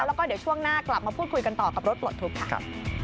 แล้วก็เดี๋ยวช่วงหน้ากลับมาพูดคุยกันต่อกับรถปลดทุกข์ค่ะ